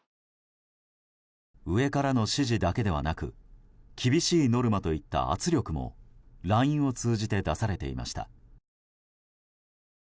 上からの指示だけではなく厳しいノルマといった圧力も、ＬＩＮＥを通じて出されていました。